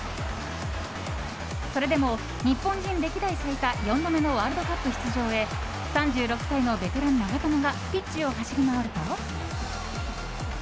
それでも日本人歴代最多４度目のワールドカップ出場へ３６歳のベテラン長友がピッチを走り回ると。